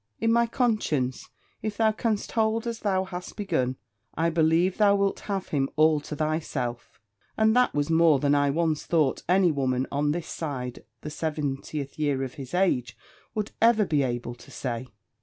In my conscience, if thou canst hold as thou hast begun, I believe thou wilt have him all to thyself; and that was more than I once thought any woman on this side the seventieth year of his age would ever be able to say.